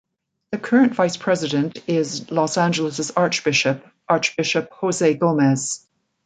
The current Vice President is Los Angeles's archbishop, Archbishop Jose Gomez.